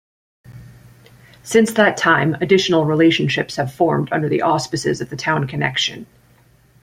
Since that time, additional relationships have formed under the auspices of the town connection.